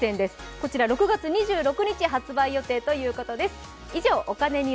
こちら６月２６日発売予定ということです。